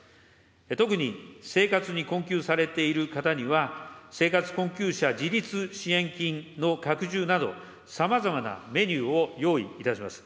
特に生活に困窮されている方には、生活困窮者自立支援金の拡充など、さまざまなメニューを用意いたします。